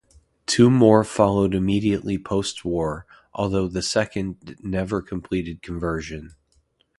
Two more followed immediately post-war, although the second never completed conversion.